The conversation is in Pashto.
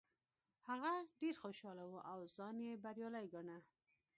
هغه ډیر خوشحاله و او ځان یې بریالی ګاڼه.